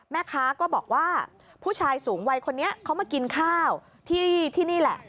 แม่ค้าก็บอกว่าผู้ชายสูงวัยคนนี้เขามากินข้าวที่นี่แหละ